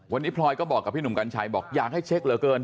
วันนี้พลอยก็บอกกับพี่หนุ่มกัญชัยบอกอยากให้เช็คเหลือเกิน